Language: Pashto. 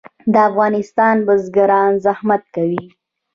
د افغانستان بزګران زحمت کوي